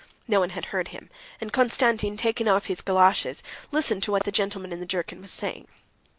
No one had heard him, and Konstantin, taking off his galoshes, listened to what the gentleman in the jerkin was saying.